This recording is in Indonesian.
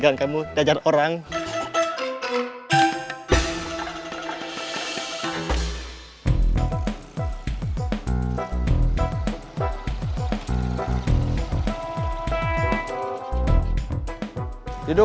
gak bisa dua ribu